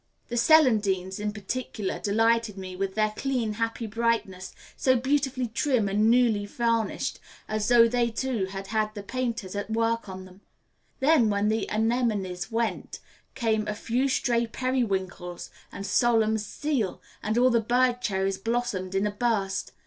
The celandines in particular delighted me with their clean, happy brightness, so beautifully trim and newly varnished, as though they too had had the painters at work on them. Then, when the anemones went, came a few stray periwinkles and Solomon's Seal, and all the birdcherries blossomed in a burst.